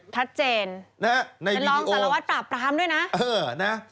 ทัศน์เจนเป็นลองสารวัตรปรามด้วยนะในวีดีโอเออนะ